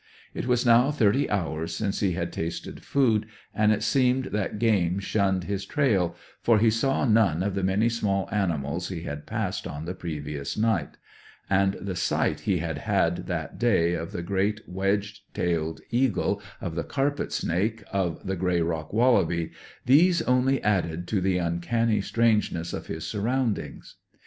It was now thirty hours since he had tasted food, and it seemed that game shunned his trail, for he saw none of the many small animals he had passed on the previous night; and the sight he had had that day of the great wedge tailed eagle, of the carpet snake, and of the grey rock wallaby, these only added to the uncanny strangeness of his surroundings.